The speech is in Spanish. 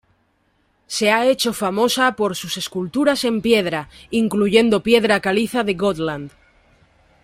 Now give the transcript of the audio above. Se ha hecho famosa por sus esculturas en piedra, incluyendo piedra caliza de Gotland.